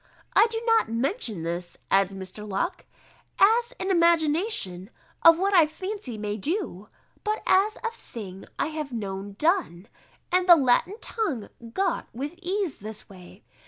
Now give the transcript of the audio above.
I do not mention this," adds Mr. Locke, "as an imagination of what I fancy may do, but as of a thing I have known done, and the Latin tongue got with ease this way."